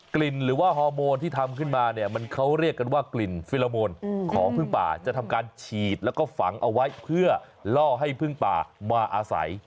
ลิ่นหรือว่าฮอร์โมนที่ทำขึ้นมาเนี่ยมันเขาเรียกกันว่ากลิ่นฟิลโมนของพึ่งป่าจะทำการฉีดแล้วก็ฝังเอาไว้เพื่อล่อให้พึ่งป่ามาอาศัย